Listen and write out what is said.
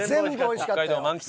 北海道満喫。